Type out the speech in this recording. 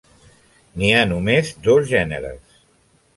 N'hi ha només dos gèneres.